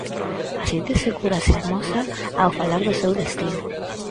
Así de segura se amosa ao falar do seu destino.